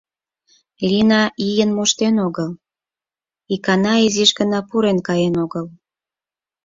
Лина ийын моштен огыл, икана изиш гына пурен каен огыл.